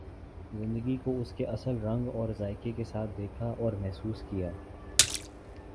زندگی کو اس کے اصل رنگ اور ذائقہ کے ساتھ دیکھا اور محسوس کیا